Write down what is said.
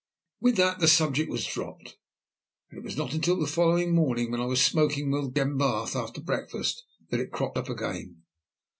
With that the subject was dropped, and it was not until the following morning, when I was smoking with Glenbarth after breakfast, that it cropped up again.